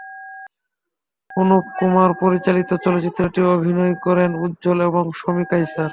অনুপ কুমার পরিচালিত চলচ্চিত্রটিতে অভিনয় করেন উজ্জ্বল এবং শমী কায়সার।